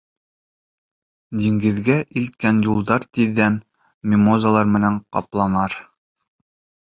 Диңгеҙгә илткән юлдар тиҙҙән мимозалар менән ҡапланыр.